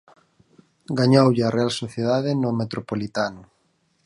Gañoulle á Real Sociedade no Metropolitano.